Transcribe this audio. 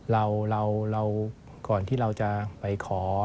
เราก่อนที่เราจะไปขอ